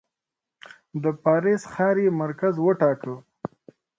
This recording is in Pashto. د پاریس ښار یې مرکز وټاکه.